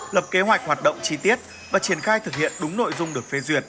lập kế hoạch hoạt động chi tiết và triển khai thực hiện đúng nội dung được phê duyệt